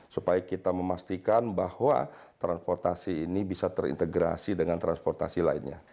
supaya kita memastikan bahwa transportasi ini bisa terintegrasi dengan transportasi lainnya